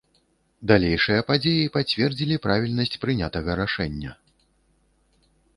Далейшыя падзеі пацвердзілі правільнасць прынятага рашэння.